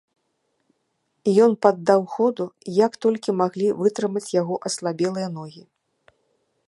Ён паддаў ходу як толькі маглі вытрымаць яго аслабелыя ногі.